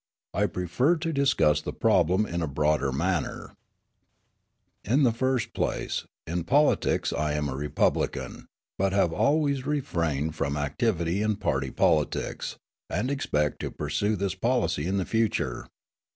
I prefer to discuss the problem in a broader manner. November, 1898. In the first place, in politics I am a Republican, but have always refrained from activity in party politics, and expect to pursue this policy in the future.